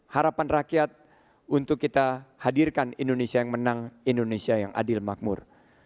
harapan rakyat untuk kita hadirkan indonesia yang menang indonesia yang adil makmur